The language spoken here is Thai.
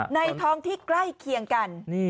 ท้องที่ใกล้เคียงกัน